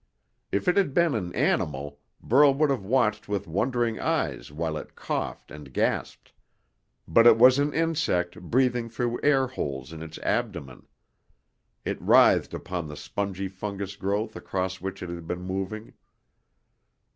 If it had been an animal, Burl would have watched with wondering eyes while it coughed and gasped, but it was an insect breathing through air holes in its abdomen. It writhed upon the spongy fungus growth across which it had been moving.